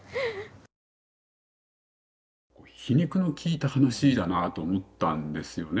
こう「皮肉のきいた話だなあ」と思ったんですよね。